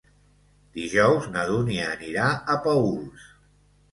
Dijous na Dúnia anirà a Paüls.